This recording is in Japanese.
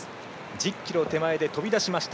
１０ｋｍ手前で飛び出しました。